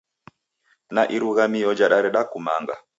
Na Irumaghio jadareda kumanga